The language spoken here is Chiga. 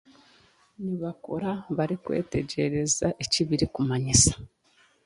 Nibakura barikwetegyereza eki birikumanyisa.